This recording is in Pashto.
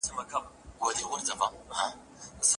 په سیاست کي به فزیکي ځواک وکارول سي.